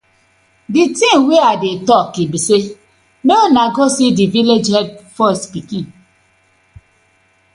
Di tin wey I dey tok bi say mek unu go see di villag head first pikin.